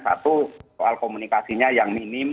satu soal komunikasinya yang minim